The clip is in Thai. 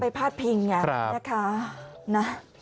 ไปพาดพิงอย่างนี้นะคะ